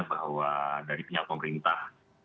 bahwa dari pihak pemerintah